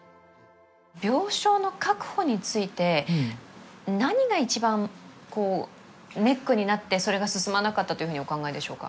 病床の確保について、何が一番、ネックになってそれが進まなかったとお考えでしょうか？